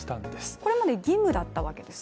これまで義務だったわけですね。